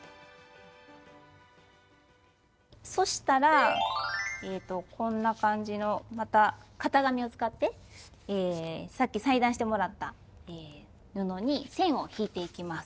そしたらえとこんな感じのまた型紙を使ってさっき裁断してもらった布に線を引いていきます。